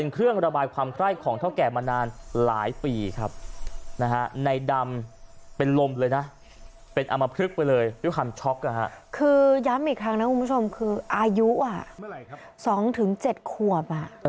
คือย้ำอีกครั้งนะคุณผู้ชมคืออายุ๒๗ขวบ